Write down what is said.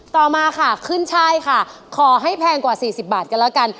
ต่อมาค่ะขึ้นช่ายค่ะขอให้แพงกว่า๔๐บาทกันแล้วกัน